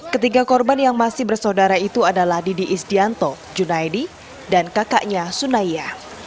ketiga korban yang masih bersaudara itu adalah didi isdianto junaidi dan kakaknya sunaya